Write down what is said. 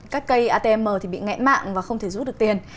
các cây atm thì bị ngã mạng và không thể rút được tiền